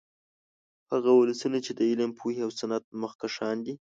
هغه ولسونه چې د علم، پوهې او صنعت مخکښان دي